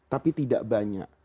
tapi tidak banyak